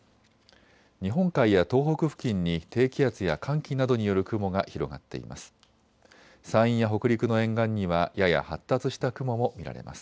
日本海や東北付近に低気圧や寒気などによる雲が広がっています。